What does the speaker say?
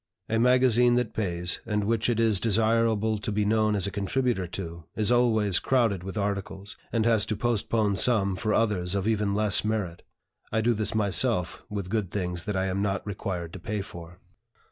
A magazine that pays, and which it is desirable to be known as a contributor to, is always crowded with articles, and has to postpone some for others of even less merit. I do this myself with good things that I am not required to pay for.